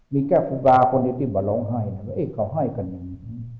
มีแค่คุณบาทคนที่มาร้องไห้เอ๊ะเขาไห้กันอย่างนี้